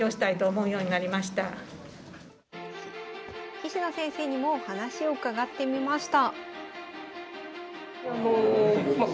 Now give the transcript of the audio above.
棋士の先生にも話を伺ってみました。